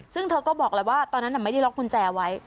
ซึ่งเธอก็บอกแล้วว่าตอนนั้นไม่ได้ล็อกกุญแจไว้